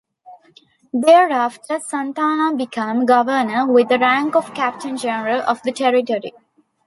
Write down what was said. Thereafter, Santana became governor, with the rank of Captain General of the territory.